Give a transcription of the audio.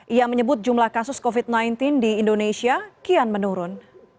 ia menyebut jumlah kasus covid sembilan belas di indonesia kian menurun